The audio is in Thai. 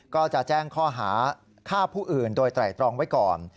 ก็จะแจ้งข้อหาฆ่าผู้อื่นโดยไตรตรองไว้ก่อน